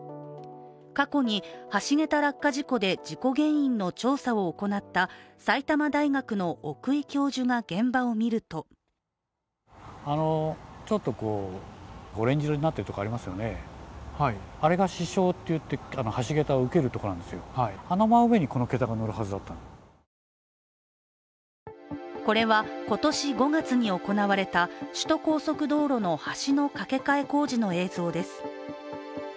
過去に橋桁落下事故で事故原因の調査を行った埼玉大学の奥井教授が現場を見るとこれは今年５月に行われた首都高速道路の橋の架け替え工事の映像です。